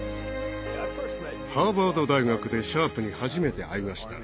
ハーバード大学でシャープに初めて会いました。